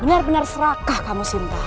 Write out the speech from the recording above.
benar benar serakah kamu sinta